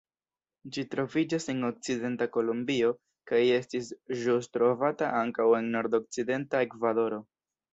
Ĝi troviĝas en okcidenta Kolombio kaj estis ĵus trovata ankaŭ en nordokcidenta Ekvadoro.